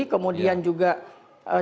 kemudian juga calon